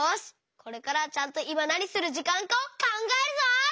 これからはちゃんといまなにするじかんかをかんがえるぞ！